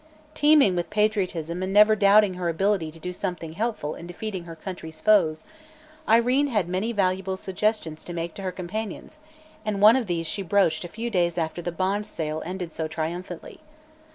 Teeming with patriotism and never doubting her ability to do something helpful in defeating her country's foes, Irene had many valuable suggestions to make to her companions and one of these she broached a few days after the bond sale ended so triumphantly.